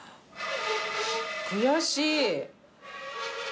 悔しい。